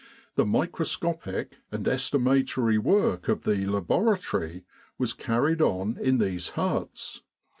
The microscopic and estimatory work of the laboratory was carried on in these huts.